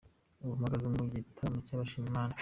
Ubu mpagaze mu gitaramo cy’abashima Imana.